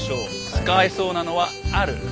使えそうなのはある？